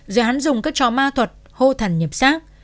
rồi hắn dùng các trò ma thuật hô thần nhập xác